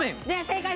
正解！